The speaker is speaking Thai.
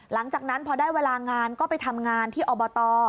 หลังจากนั้นพอได้เวลางานก็ไปทำงานที่อบต